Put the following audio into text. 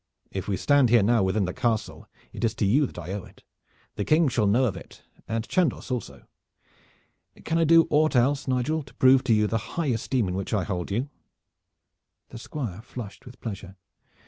"If we stand here now within this castle, it is to you that I owe it. The King shall know of it, and Chandos also. Can I do aught else, Nigel, to prove to you the high esteem in which I hold you?" The Squire flushed with pleasure.